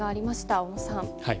小野さん。